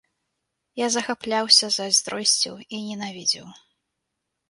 Я захапляўся, зайздросціў і ненавідзеў.